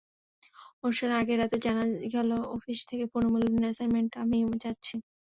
অনুষ্ঠানের আগের রাতে জানা গেল, অফিস থেকে পুনর্মিলনীর অ্যাসাইনমেন্টে আমিই যাচ্ছি।